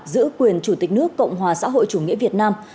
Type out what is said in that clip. giữ quyền chủ tịch nước cộng hòa xã hội chủ nghĩa việt nam